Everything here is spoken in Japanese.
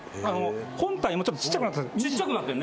本体もちょっとちっちゃくなってる。